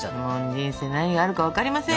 人生何があるか分かりませんよ。